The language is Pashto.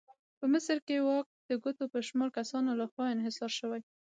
په مصر کې واک د ګوتو په شمار کسانو لخوا انحصار شوی.